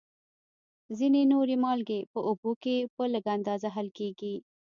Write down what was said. ځینې نورې مالګې په اوبو کې په لږ اندازه حل کیږي.